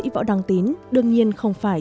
võ đăng tín đương nhiên không phải